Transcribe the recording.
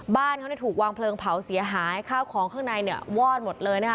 บ้านเขาเนี่ยถูกวางเพลิงเผาเสียหายข้าวของข้างในเนี่ยวอดหมดเลยนะคะ